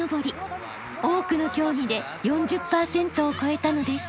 多くの競技で４０％を超えたのです。